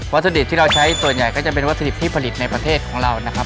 ถุดิบที่เราใช้ส่วนใหญ่ก็จะเป็นวัตถุดิบที่ผลิตในประเทศของเรานะครับ